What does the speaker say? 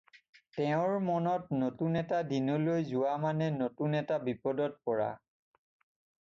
তেওঁৰ মনত নতুন এটা দিনলৈ যোৱা মানে নতুন এটা বিপদত পৰা।